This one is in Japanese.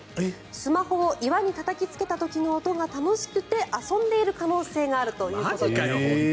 スマホを岩にたたきつけた時の音が楽しくて遊んでいる可能性があるということです。